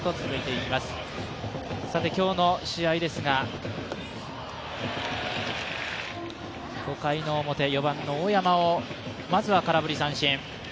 今日の試合ですが５回表４番の大山をまずは空振り三振。